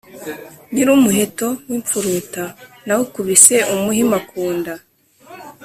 Nyili umuheto w'imfuruta nawukubise umuhima ku nda,